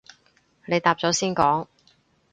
你答咗先講